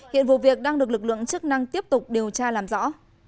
hiện vụ việc đang được lực lượng chức năng tiếp tục điều tra làm rõ